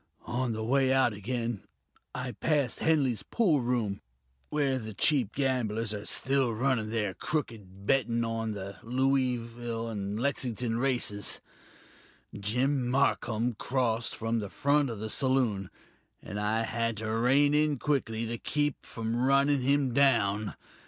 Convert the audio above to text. On the way out again, I passed Henley's poolroom, where the cheap gamblers are still running their crooked betting on the Louisville and Lexington races. Jim Marcum crossed from the front of the saloon, and I had to rein in quickly to keep from running him down.